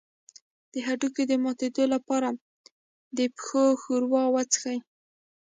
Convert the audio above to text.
د هډوکو د ماتیدو لپاره د پښو ښوروا وڅښئ